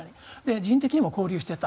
人的にも交流していた。